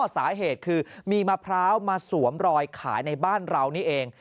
สาเหตุคือมีมะพร้าวมาสวมรอยขายในบ้านเรานี่เอง